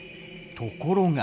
ところが。